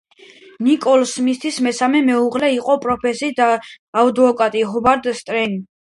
ნიკოლ სმითის მესამე მეუღლე იყო პროფესიით ადვოკატი ჰოვარდ სტერნი.